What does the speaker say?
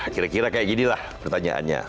kira kira kayak ginilah pertanyaannya